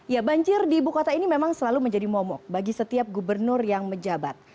ya banjir di ibu kota ini memang selalu menjadi momok bagi setiap gubernur yang menjabat